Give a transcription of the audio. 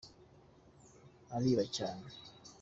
ariba cyane.